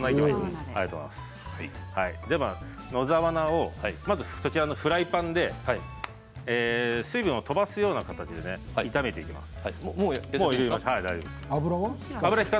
野沢菜をそちらのフライパンで水分を飛ばすような形で炒めていきます。